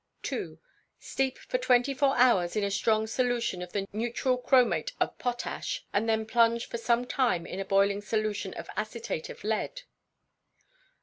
ii. Steep for twenty four hours in a strong solution of the neutral chromate of potash, and then plunge for some time in a boiling solution of acetate of lead.